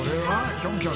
キョンキョン。